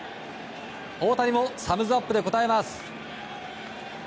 大谷もサムズアップで応えます。